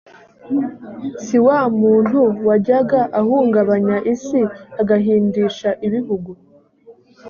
si wa muntu wajyaga ahungabanya isi agahindisha ibihugu